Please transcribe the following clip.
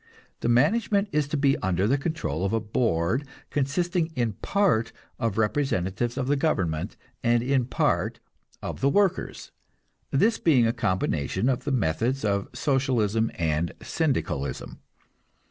The management is to be under the control of a board consisting in part of representatives of the government, and in part of the workers this being a combination of the methods of Socialism and Syndicalism.